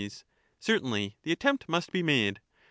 Certainly the attempt must be made.